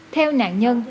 theo nạn nhân